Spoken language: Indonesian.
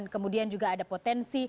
kemudian juga ada potensi